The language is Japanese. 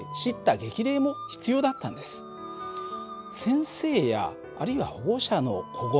先生やあるいは保護者の小言